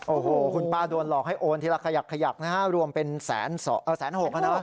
โอ้โฮคุณป้าโดนหลอกให้โอนทีละขยักนะฮะรวมเป็น๑๖๐๐๐๐บาทใช่ค่ะ